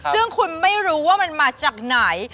ซึ่งคุณไม่รู้ว่ามันมาจากไหน